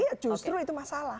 iya justru itu masalah